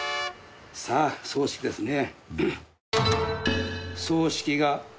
さあ葬式ですね。